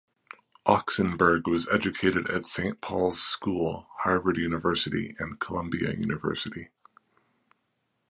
Oxenberg was educated at Saint Paul's School, Harvard University, and Columbia University.